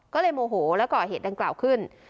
ก็เลยโมโหแล้วก่อเหตุดังกล่าวขึ้น